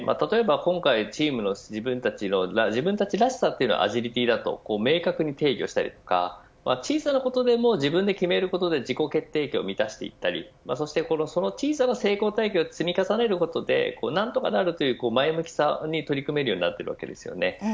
今回、チームの自分たちらしさはアジリティーだと明確に掲揚したり小さなことでも自分で決めることで自己決定権を満たしていったり小さな成功体験を重ねることで何とかなるという前向きさに取り組めるようになっています。